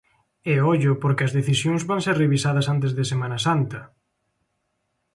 E ollo porque as decisións van ser revisadas antes de Semana Santa.